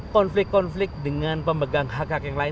konflik konflik dengan pemegang hak hak yang lain